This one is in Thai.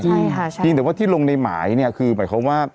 ใช่ค่ะใช่เพียงแต่ว่าที่ลงในหมายเนี่ยคือหมายความว่า